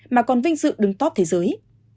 mà còn vinh dự đứng top thế giới